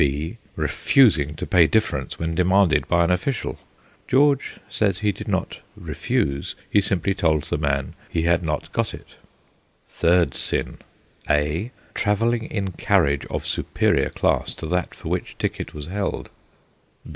(b) Refusing to pay difference when demanded by an official. (George says he did not "refuse"; he simply told the man he had not got it.) Third sin: (a) Travelling in carriage of superior class to that for which ticket was held.